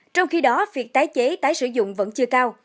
trong khi đó việc tái chế tái sử dụng vẫn chưa cao